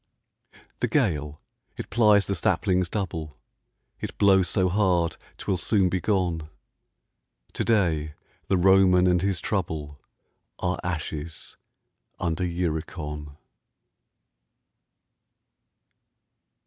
The gale, it plies the saplings double, It blows so hard, 'twill soon be gone: To day the Roman and his trouble Are ashes under Uricon.